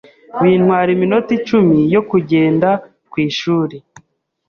Bintwara iminota icumi yo kugenda ku ishuri